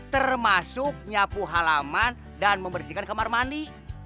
termasuk nyapu halaman dan membersihkan kamar mandi